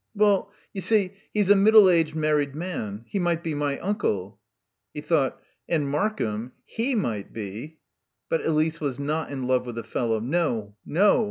"Well, you see, he's a middle aged married man. He might be my uncle." He thought: "And Markham he might be " But Elise was not in love with the fellow. No, no.